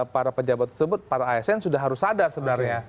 para pejabat tersebut para asn sudah harus sadar sebenarnya